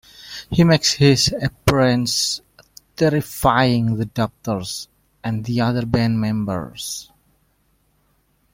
He makes his appearance, terrifying the doctors and the other band members.